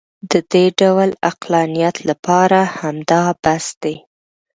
د دې ډول عقلانیت لپاره همدا بس دی.